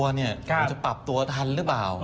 มันจะปรับตัวทันหรือเปล่า